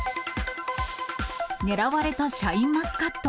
狙われたシャインマスカット。